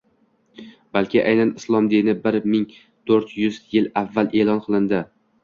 balki aynan Islom dini bir ming to'rt yuz yil avval e’lon qildi